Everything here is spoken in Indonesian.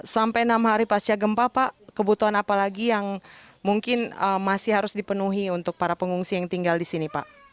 sampai enam hari pasca gempa pak kebutuhan apa lagi yang mungkin masih harus dipenuhi untuk para pengungsi yang tinggal di sini pak